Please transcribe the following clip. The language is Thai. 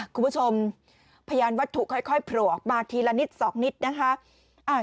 คุณผู้ชมพยานวัตถุค่อยผลวกมาทีละนิดสองนิดนะคะ